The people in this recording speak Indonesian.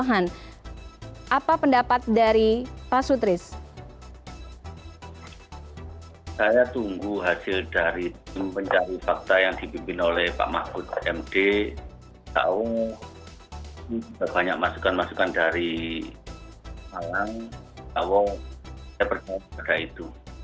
saya percaya pada itu